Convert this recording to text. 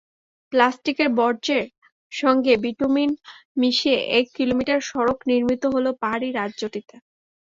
প্লাস্টিকের বর্জ্যের সঙ্গে বিটুমিন মিশিয়ে এক কিলোমিটার সড়ক নির্মিত হলো পাহাড়ি রাজ্যটিতে।